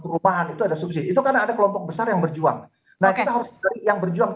perumahan itu ada subsidi itu karena ada kelompok besar yang berjuang nah kita harus yang berjuang